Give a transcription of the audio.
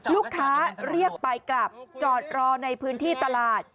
ลูกค้าเรียกไปกลับจอดรอในพื้นที่ตลาด